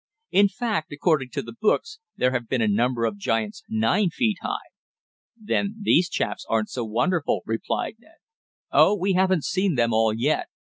In fact, according to the books, there have been a number of giants nine feet high." "Then these chaps aren't so wonderful," replied Ned. "Oh, we haven't seen them all yet.